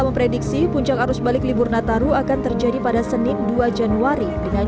memprediksi puncak arus balik libur nataru akan terjadi pada senin dua januari dengan